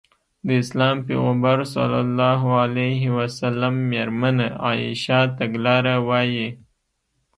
د اسلام پيغمبر ص مېرمنه عايشه تګلاره وايي.